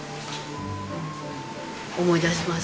思い出します